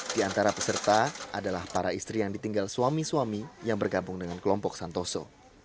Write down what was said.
di antara peserta adalah para istri yang ditinggal suami suami yang bergabung dengan kelompok santoso